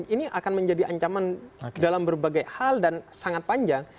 ini akan menjadi ancaman dalam berbagai hal dan sangat panjang